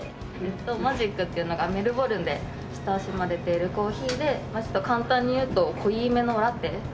マジックっていうのがメルボルンで親しまれているコーヒーで簡単に言うと濃いめのラテです。